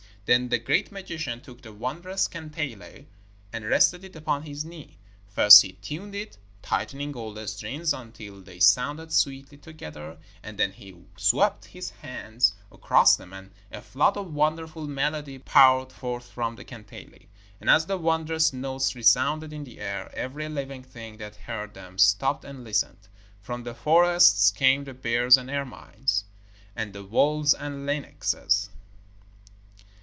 Then the great magician took the wondrous kantele and rested it upon his knee. First he tuned it, tightening all the strings until they sounded sweetly together, and then he swept his hands across them, and a flood of wonderful melody poured forth from the kantele. And as the wondrous notes resounded in the air, every living thing that heard them stopped and listened. From the forests came the bears and ermines, and the wolves and lynxes.